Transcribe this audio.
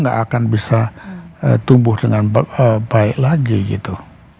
nggak akan bisa tumbuh dengan baik lagi gitu